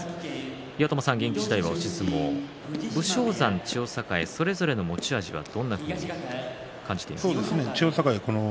岩友さん元気な押し相撲武将山と千代栄それぞれ持ち味はどんなものと感じていますか？